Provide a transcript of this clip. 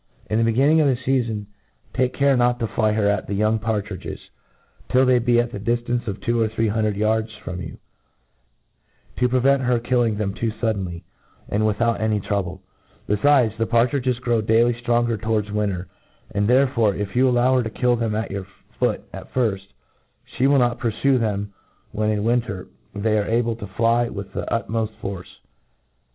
In the beginning of the feafon, take care not to fly her at the young partridges, till they be at the diftance of two or three hundred yards from you, to prevent her killing them too fuddcnly, and without any trouble. Bcfides, the par tridges grow dsuly ftronger towards winter } an4 therefore, if you allow her. to kill them at your foot at firft, flie will not purfue them when isx winter they are able to fly with their utmoft force.